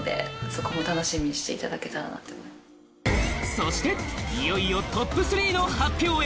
そしていよいよトップ３の発表へ！